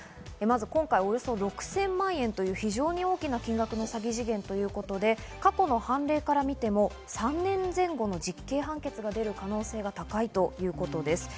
今回６０００万円と非常に大きな金額の詐欺事件ということで、過去の判例から見ても３年前後の実刑判決が出る可能性が高いということです。